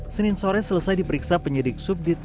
senin sore selesai diperiksa penyidik subdit